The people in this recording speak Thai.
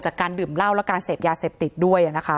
จากการดื่มเหล้าและการเสพยาเสพติดด้วย